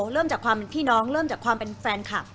เริ่มจากความเป็นพี่น้องเริ่มจากความเป็นแฟนคลับ